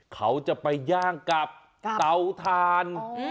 เขาจะไปย่างกับเตาถ่าน